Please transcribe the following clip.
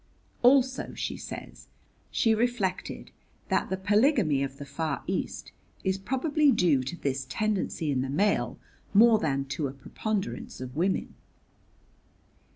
Also, she says, she reflected that the polygamy of the Far East is probably due to this tendency in the male more than to a preponderance of women.